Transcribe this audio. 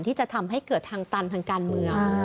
ที่จะทำให้เกิดทางตันทางการเมือง